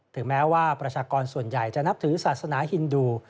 ถึงแม้ว่าประชากรส่วนใหญ่จะนับถือศาสนาฮินดู